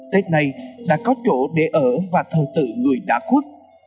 tết này đã có chỗ để ở và thờ tự người đã khuất